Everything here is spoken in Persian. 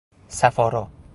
صف آرا